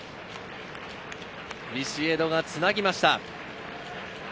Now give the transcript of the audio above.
ビシエドがつなぎました。